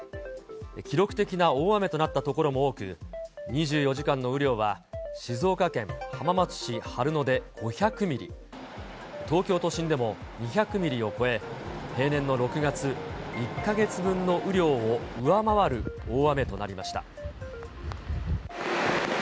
記録的な大雨となった所も多く、２４時間の雨量は静岡県浜松市春野で５００ミリ、東京都心でも２００ミリを超え、平年の６月１か月分の雨量を上回る大雨となりました。